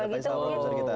kalau gitu mungkin